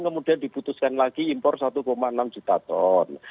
kemudian diputuskan lagi impor satu enam juta ton